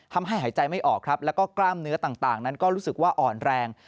หายใจไม่ออกครับแล้วก็กล้ามเนื้อต่างนั้นก็รู้สึกว่าอ่อนแรง